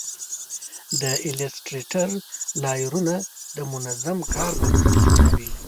د ایلیسټریټر لایرونه د منظم کار بنسټ جوړوي.